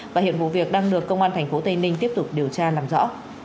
và hiện vụ việc đang được công an tp tây ninh tiếp tục điều tra làm rõ